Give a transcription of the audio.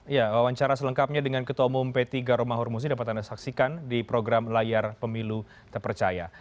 ya wawancara selengkapnya dengan ketua umum p tiga romahur musi dapat anda saksikan di program layar pemilu terpercaya